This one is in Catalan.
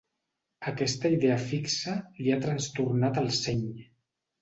Aquesta idea fixa li ha trastornat el seny.